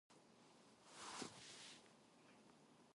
He surveys the counter, then tells the police sergeant: I'll be back.